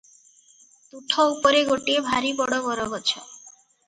ତୁଠ ଉପରେ ଗୋଟିଏ ଭାରି ବଡ଼ ବରଗଛ ।